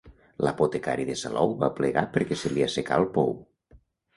L'apotecari de Salou va plegar perquè se li assecà el pou.